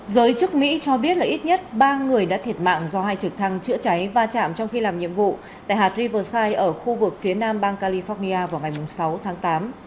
giới chức mỹ cho biết là ít nhất ba người đã thiệt mạng do hai trực thăng chữa cháy va chạm trong khi làm nhiệm vụ tại hạt riverside ở khu vực phía nam bang california vào ngày sáu tháng tám